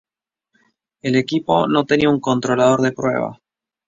El equipo no tenía un controlador de prueba.